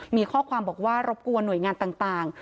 มีข้อความบอกว่ารบกวนหน่วยงานต่าง